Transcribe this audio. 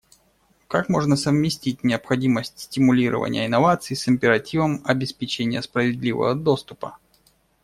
Как можно совместить необходимость стимулирования инноваций с императивом обеспечения справедливого доступа?